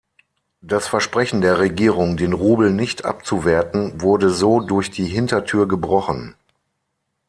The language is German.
Das Versprechen der Regierung, den Rubel nicht abzuwerten, wurde so durch die Hintertür gebrochen.